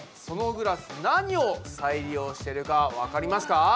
そのグラス何を再利用してるかわかりますか？